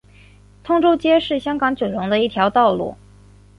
通州街是香港九龙的一条道路。